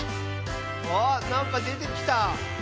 あなんかでてきた。